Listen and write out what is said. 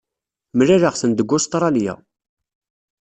Mlaleɣ-ten deg Ustṛalya.